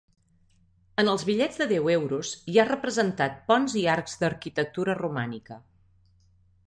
En els bitllets de deu euros hi ha representat ponts i arcs d'arquitectura romànica.